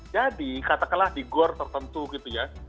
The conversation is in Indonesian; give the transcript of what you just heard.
jadi katakanlah di gor tertentu gitu ya